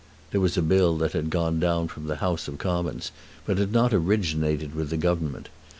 There was a Bill that had gone down from the House of Commons, but had not originated with the Government.